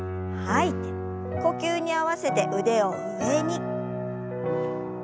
呼吸に合わせて腕を上に。